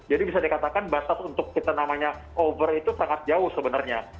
jadi bisa dikatakan batas untuk kita namanya over itu sangat jauh sebenarnya